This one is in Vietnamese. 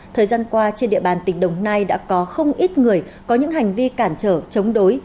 thời gian qua trên địa bàn tỉnh đồng nai đã có không ít người có những hành vi cản trở chống đối